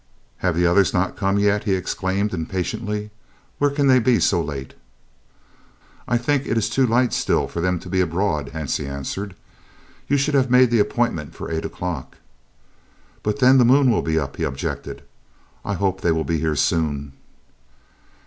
"Have the others not come yet?" he exclaimed impatiently. "Where can they be so late?" "I think it is too light still for them to be abroad," Hansie answered; "you should have made the appointment for 8 o'clock." "But then the moon will be up," he objected. "I hope they will be here soon."